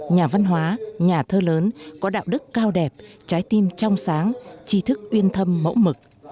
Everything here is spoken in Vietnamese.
nhà văn hóa nhà thơ lớn có đạo đức cao đẹp trái tim trong sáng trí thức uyên thâm mẫu mực